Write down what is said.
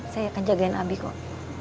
saya akan jagain abi kok